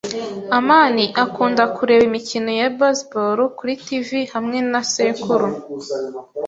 amani akunda kureba imikino ya baseball kuri TV hamwe na sekuru.